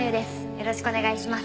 よろしくお願いします。